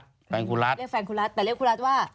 ว่าเพราะแฟนครูรัฐแต่เรียกแฟนครูรัฐว่า